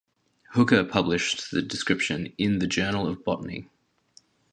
Hooker published the description in "The Journal of Botany".